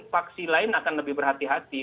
faksi lain akan lebih berhati hati